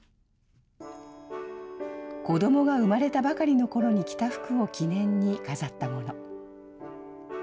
子どもが生まれたばかりのころに着た服を記念に飾ったもの。